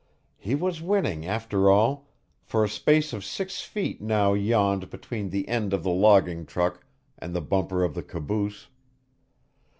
He was winning, after all, for a space of six feet now yawned between the end of the logging truck and the bumper of the caboose.